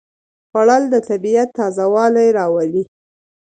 خوړل د طبیعت تازهوالی راولي